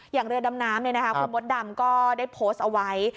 เรือดำน้ำคุณมดดำก็ได้โพสต์เอาไว้